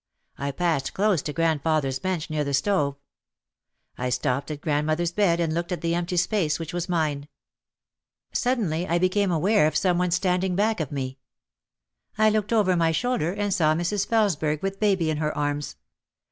I passed close to grandfather's bench near the stove. I stopped at grandmother's bed and looked at the empty place which was mine. Suddenly I became aware of some one standing back of me. I looked over my shoulder and saw Mrs. Feles berg with baby in her arms.